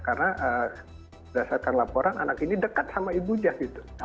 karena berdasarkan laporan anak ini dekat sama ibu dia gitu